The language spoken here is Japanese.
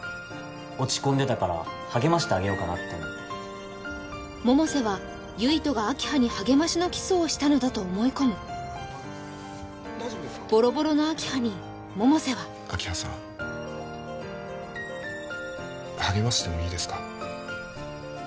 落ち込んでたから励ましてあげようかなって思って百瀬は唯斗が明葉に励ましのキスをしたのだと思い込むボロボロの明葉に百瀬は明葉さん励ましてもいいですか？